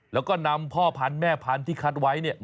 แล้วก็นำพ่อพันธุ์แม่พันธุ์ที่คัดไว้เนี่ย